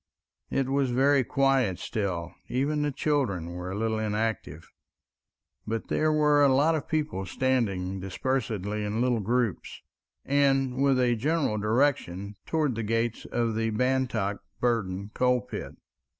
It was very quiet still, even the children were a little inactive, but there were a lot of people standing dispersedly in little groups, and with a general direction towards the gates of the Bantock Burden coalpit.